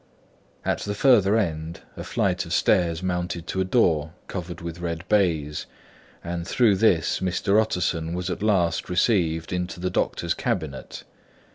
At the further end, a flight of stairs mounted to a door covered with red baize; and through this, Mr. Utterson was at last received into the doctor's cabinet.